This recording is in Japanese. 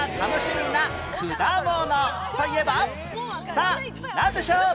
さあなんでしょう？